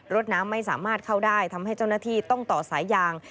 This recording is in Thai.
รถน้ำไม่สามารถเข้าได้ทำให้เจ้าหน้าที่ต้องต่อสายยาง